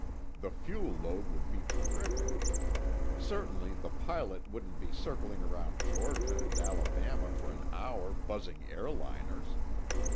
The fuel load would be terrific. Certainly, the pilot wouldn't be circling around Georgia and Alabama for an hour, buzzing airliners.